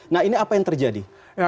nah ini apa yang terjadi